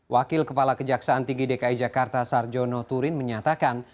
wakil kepala kejaksaan tinggi dki jakarta sarjono turin menyatakan